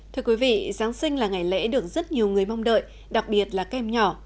thưa quý vị giáng sinh là ngày lễ được rất nhiều người mong đợi đặc biệt là các em nhỏ